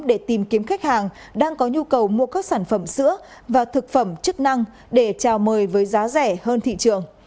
để tìm kiếm khách hàng đang có nhu cầu mua các sản phẩm sữa và thực phẩm chức năng để trao mời với giá rẻ hơn thị trường